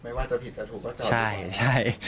ไม่ว่าจะผิดจะถูกก็จบใช่